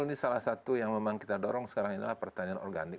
ini salah satu yang memang kita dorong sekarang ini adalah pertanian organik